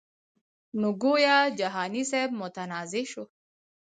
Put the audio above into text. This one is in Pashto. نو ګویا جهاني صاحب متنازعه شو.